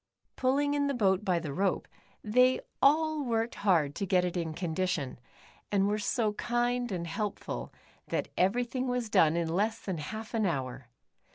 Pulling in the boat by the rope, they all worked 158 The Upsidedownians. hard to get it in condition, and were so kind and helpful, that everything was done in less than half an hour.